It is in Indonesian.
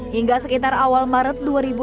hingga sekitar awal maret dua ribu dua puluh